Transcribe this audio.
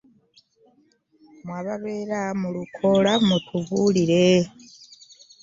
Mwe ababeera mu luukola mutubuulire.